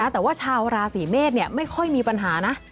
แต่ว่าชาวราศีเมษไม่ค่อยมีปัญหานะ